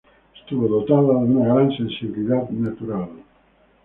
Estuvo dotada de una gran sensibilidad natural.